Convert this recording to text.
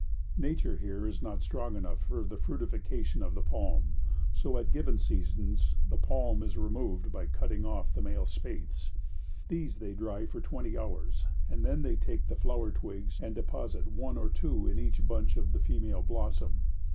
Nature here is not strong enough for the fructification of the palm, so at given seasons the pollen is removed by cutting off the male spathes; these they dry for twenty hours, and then they take the flower twigs and deposit one or two in each bunch of the female blossom.